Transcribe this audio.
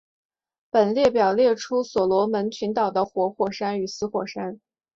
本列表列出所罗门群岛的活火山与死火山。